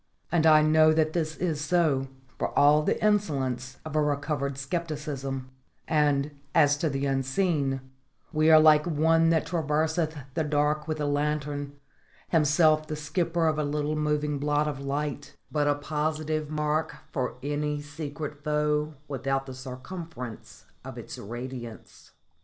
And I know that this is so, for all the insolence of a recovered scepticism; and, as to the unseen, we are like one that traverseth the dark with a lanthorn, himself the skipper of a little moving blot of light, but a positive mark for any secret foe without the circumference of its radiance.